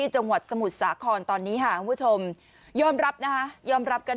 จังหวัดสมุทรสาครตอนนี้ค่ะคุณผู้ชมยอมรับนะคะยอมรับกัน